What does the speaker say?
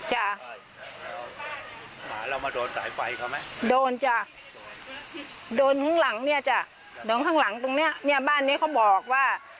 อ๋อหมายถึงบ้านเนี่ยชื่ออะไรนะ